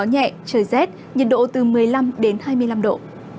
nhẹ trời rét nhiệt độ từ một mươi năm hai mươi năm độ